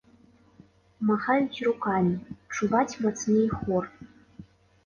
Махаюць рукамі, чуваць мацней хор.